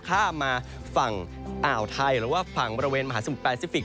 ข้ามมาฝั่งอ่าวไทยหรือว่าฝั่งบริเวณมหาสมุทรแปซิฟิก